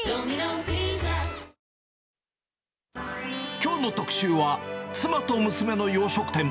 きょうの特集は、妻と娘の洋食店。